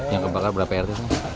yang kebakar berapa rt